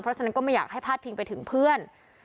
เพราะฉะนั้นก็ไม่อยากให้พาดพิงไปถึงเพื่อน